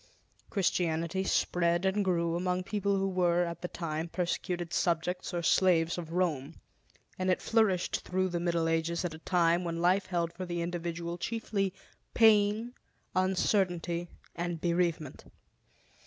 Christianity spread and grew among people who were, at the time, persecuted subjects or slaves of Rome; and it flourished through the Middle Ages at a time when life held for the individual chiefly pain, uncertainty, and bereavement.